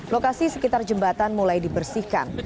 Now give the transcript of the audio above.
lokasi sekitar jembatan mulai dibersihkan